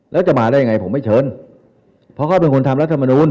แล้วจะมาได้ยังไงผมไม่เชิญเพราะเขาเป็นคนทำรัฐมนูล